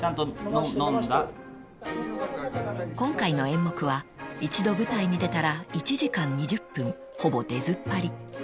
［今回の演目は一度舞台に出たら１時間２０分ほぼ出ずっぱり］